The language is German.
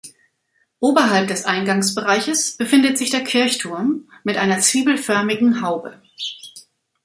Oberhalb des Eingangsbereiches befindet sich der Kirchturm mit einer zwiebelförmigen Haube.